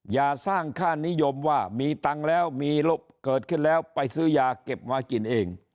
อย่าสร้างค่านิยมว่ามีตังค์แล้วมีเกิดขึ้นแล้วไปซื้อยาเก็บมากินเอง